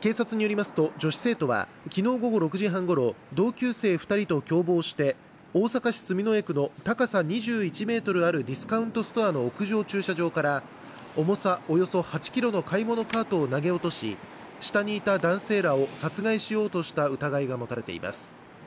警察によりますと女子生徒は昨日午後６時半ごろ、同級生２人と共謀して、大阪市住之江区の高さ２１ｍあるディスカウントストアの屋上駐車場から重さおよそ８ｋｇの買い物カートを投げ落とし、下にいた男性らを殺害しようとした疑いが持たれています。